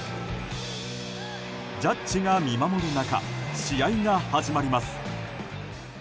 ジャッジが見守る中試合が始まります。